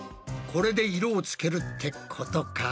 これで色をつけるってことか？